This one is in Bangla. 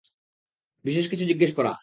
বিশেষ কিছু জিজ্ঞেস করা।